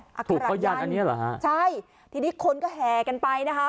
อักษรรยันต์ถูกเอายันต์อันนี้เหรอฮะใช่ทีนี้คนก็แหกันไปนะคะ